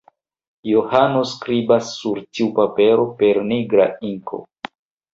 Johano skribas sur tiu papero per nigra inko.